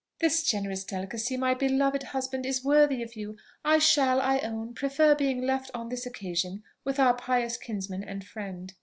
"This generous delicacy, my beloved husband, is worthy of you. I shall, I own, prefer being left on this occasion with our pious kinsman and friend."